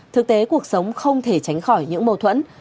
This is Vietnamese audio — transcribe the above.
thực tế cuộc sống không thể tránh khỏi những mâu thuẫn